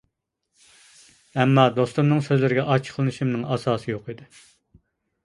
ئەمما دوستۇمنىڭ سۆزلىرىگە ئاچچىقلىنىشىمنىڭ ئاساسى يوق ئىدى.